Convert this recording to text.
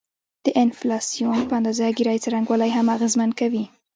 د انفلاسیون د اندازه ګيرۍ څرنګوالی هم اغیزمن کوي